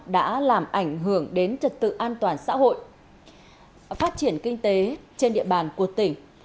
đã làm ảnh hưởng đến trật tự an toàn xã hội phát triển kinh tế trên địa bàn của tỉnh